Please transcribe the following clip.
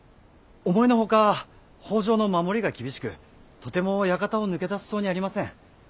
思いの外北条の守りが厳しくとても館を抜け出せそうにありません。